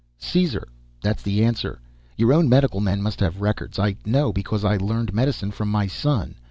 "Caesar. That's the answer. Your own medical men must have records. I know, because I learned medicine from my son.